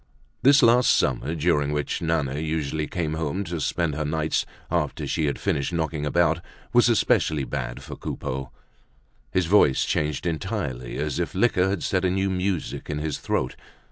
This last summer, during which Nana usually came home to spend her nights, after she had finished knocking about, was especially bad for Coupeau. His voice changed entirely as if liquor had set a new music in his throat.